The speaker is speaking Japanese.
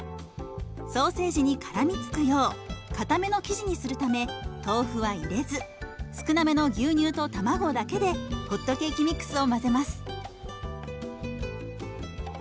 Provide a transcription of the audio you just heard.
ソーセージにからみつくようかための生地にするため豆腐は入れず少なめの牛乳と卵だけでホットケーキミックスを混ぜます。